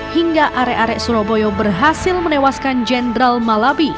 hingga arek arek surabaya berhasil menewaskan jenderal malabi